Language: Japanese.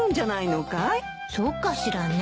そうかしらね。